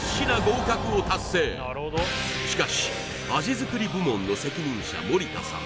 しかし味作り部門の責任者森田さん